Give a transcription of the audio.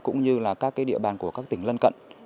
cũng như là các địa bàn của các tỉnh lân cận